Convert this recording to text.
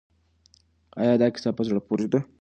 آیا دا کیسه په زړه پورې ده؟